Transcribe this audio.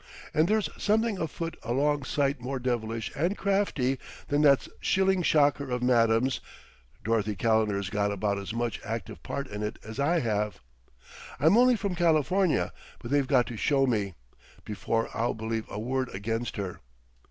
And there's something afoot a long sight more devilish and crafty than that shilling shocker of madam's.... Dorothy Calendar's got about as much active part in it as I have. I'm only from California, but they've got to show me, before I'll believe a word against her.